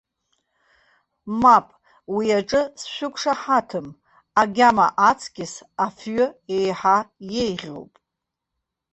Мап, уиаҿы сшәықәшаҳаҭым, агьама аҵкьыс афҩы еиҳа иеиӷьуп!